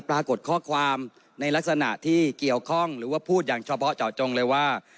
ปรากฏข้อความในลักษณะที่เกี่ยวข้องหรือว่าพูดอย่างเฉพาะเจาะจงเลยว่า